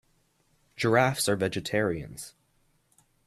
Giraffes are vegetarians.